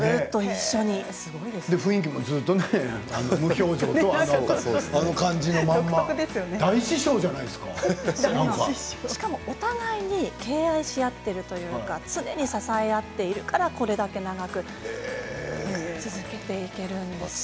ああ雰囲気もあのままお互いに敬愛してるというか常に支え合っているからこれだけ長く続けていけるんですね。